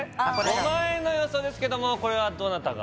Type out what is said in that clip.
５万円の予想ですけどもこれはどなたが？